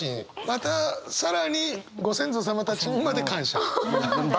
また更にご先祖様たちにまで感謝？